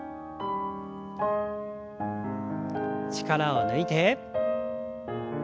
力を抜いて。